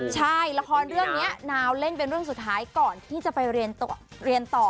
ใช่ละครเรื่องนี้นาวเล่นเป็นเรื่องสุดท้ายก่อนที่จะไปเรียนต่อ